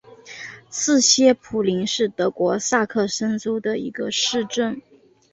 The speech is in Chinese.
茨歇普林是德国萨克森州的一个市镇。